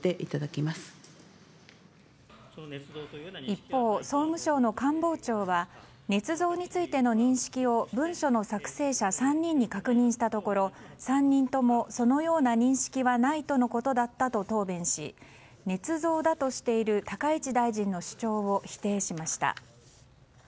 一方、総務省の官房長はねつ造についての認識を文書の作成者３人に確認したところ３人とも、そのような認識はないとのことだったと答弁しねつ造だとしている高市大臣の主張を否定しました。